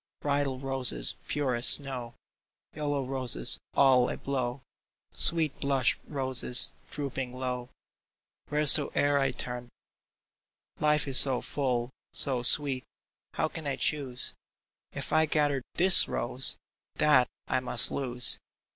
Bridal roses pure as snow. Yellow roses all a blow, Sweet blush roses drooping low, Wheresoe'er I turn ! CHOOSING 319 Life is so full, so sweet — How can I choose ? If I gather this rose, That I must lose